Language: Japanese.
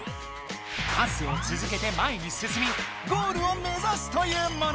パスをつづけて前にすすみゴールを目ざすというもの！